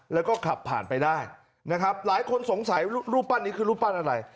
แล้วก็ขับผ่านไปได้นะครับหลายคนสงสัยรูปปั้นนี้คือรูปปั้นอะไร